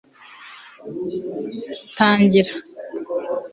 tangira